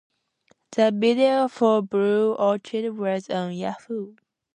The video for "Blue Orchid" was on Yahoo!